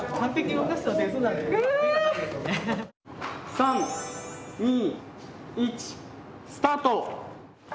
３２１スタート！